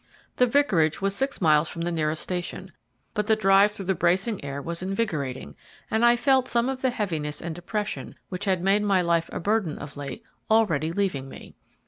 The vicarage was six miles from the nearest station, but the drive through the bracing air was invigorating, and I felt some of the heaviness and depression which had made my life a burden of late already leaving me.